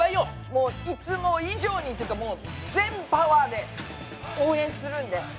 もういつも以上にっていうかもう全パワーで応援するんで！